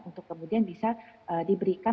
untuk kemudian bisa diberikan